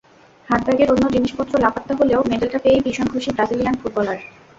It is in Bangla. হাতব্যাগের অন্য জিনিসপত্র লাপাত্তা হলেও মেডেলটা পেয়েই ভীষণ খুশি ব্রাজিলিয়ান ফুটবলার।